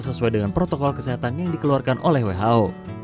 sesuai dengan protokol kesehatan yang dikeluarkan oleh who